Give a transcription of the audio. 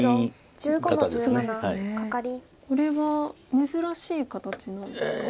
これは珍しい形なんですか？